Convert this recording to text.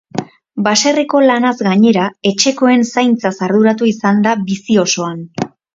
Baserriko lanaz gainera, etxekoen zaintzaz arduratu izan da bizi osoan.